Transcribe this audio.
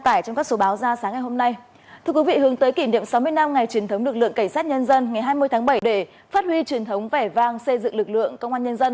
trong một điểm báo